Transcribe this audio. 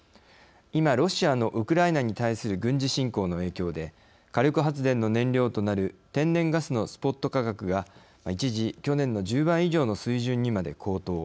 今、ロシアのウクライナに対する軍事侵攻の影響で火力発電の燃料となる天然ガスのスポット価格が一時、去年の１０倍以上の水準にまで高騰。